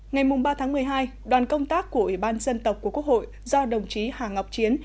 ngày ba tháng một mươi hai đoàn công tác của ủy ban dân tộc của quốc hội do đồng chí hà ngọc chiến